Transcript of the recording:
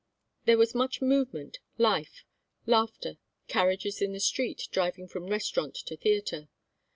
There was much movement, life, laughter, carriages in the street driving from restaurant to theatre.